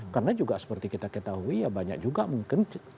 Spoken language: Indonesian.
karena juga seperti kita ketahui ya banyak juga mungkin